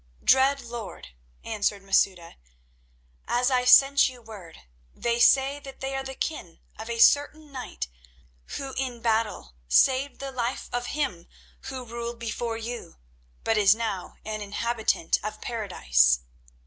"Dread lord," answered Masouda, "as I sent you word, they say that they are the kin of a certain knight who in battle saved the life of him who ruled before you, but is now an inhabitant of Paradise."